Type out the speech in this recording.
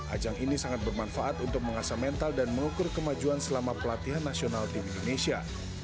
ajang ini sangat bermanfaat untuk mengasah mental dan mengukur kemajuan selama pelatihan nasional tim indonesia